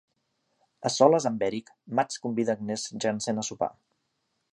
A soles amb Erik, Mads convida Agnes Jensen a sopar.